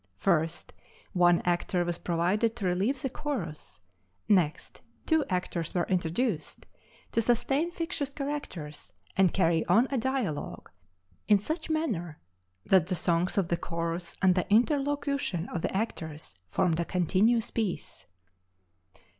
First, one actor was provided to relieve the chorus; next, two actors were introduced to sustain fictitious characters and carry on a dialogue in such manner that the songs of the chorus and the interlocution of the actors formed a continuous piece.